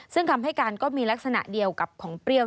ซึ่งคำให้การก็มีลักษณะเดียวกับของเปรี้ยว